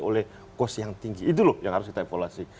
oleh kos yang tinggi itu loh yang harus kita evaluasi